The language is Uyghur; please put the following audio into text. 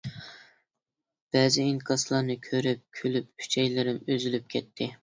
بەزى ئىنكاسلارنى كۆرۈپ كۈلۈپ ئۈچەيلىرىم ئۈزۈلۈپ كەتتى.